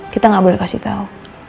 kita gak boleh kasih tau